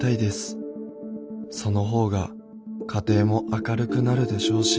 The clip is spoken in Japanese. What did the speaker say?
その方が家庭も明るくなるでしょうし」。